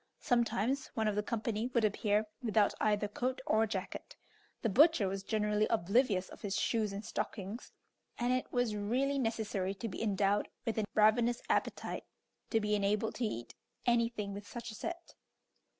Sometimes one of the company would appear without either coat or jacket; the butcher was generally oblivious of his shoes and stockings; and it was really necessary to be endowed with a ravenous appetite to be enabled to eat anything with such a set.